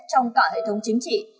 trong cả hệ thống chính trị